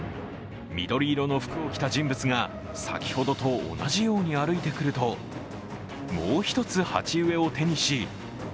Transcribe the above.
緑色の服を着た人物が先ほどと同じように歩いてくると、もう一つ鉢植えを手にし